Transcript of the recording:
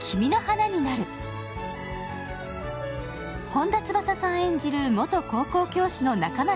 本田翼さん演じる元高校教師の仲町